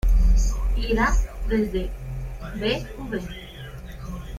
Ida: Desde Bv.